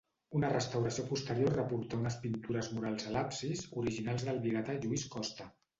Una restauració posterior reportà unes pintures murals a l'absis, originals del vigatà Lluís costa.